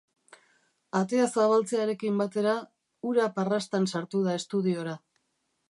Atea zabaltzearekin batera, ura parrastan sartu da estudiora.